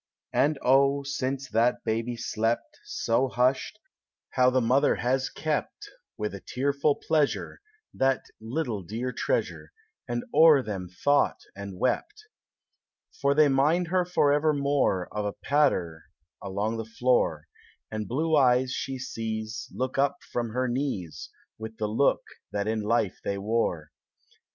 And (), since that baby slept. So hushed, how the mother has kept, With a tearful pleasure, That little dear treasure, And o'er them thought and wept! For they mind her forevermore Of a patter along the tloor; And bJue eyes she sees Look up from her knees With the look that in life they wore.